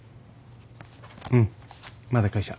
うんまだ会社。